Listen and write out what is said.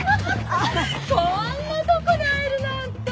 こんなとこで会えるなんて！